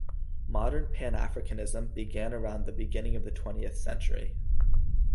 Modern Pan-Africanism began around the beginning of the twentieth century.